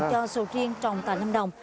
cho sầu riêng trồng tại năm đồng